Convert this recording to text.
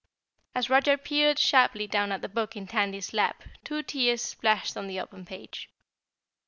As Roger peered sharply down at the book in Tandy's lap two tears splashed on the open page.